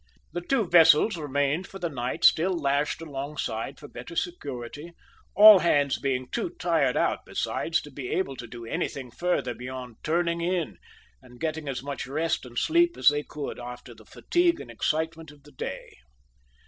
The two vessels remained for the night, still lashed alongside for better security, all hands being too tired out besides to be able to do anything further beyond "turning in" and getting as much rest and sleep as they could after the fatigue and excitement of the day.